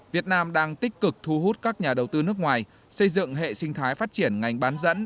việt nam đang tích cực thu hút các nhà đầu tư nước ngoài xây dựng hệ sinh thái phát triển ngành bán dẫn